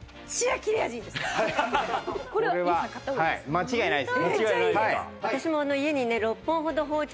間違いないです。